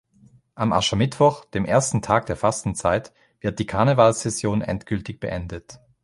Am Aschermittwoch, dem ersten Tag der Fastenzeit, wird die Karnevalssession endgültig beendet.